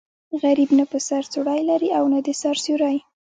غریب نه په سر څوړی لري او نه د سر سیوری.